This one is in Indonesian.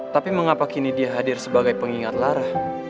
tapi mengapa kini dia hadir sebagai pengingat lara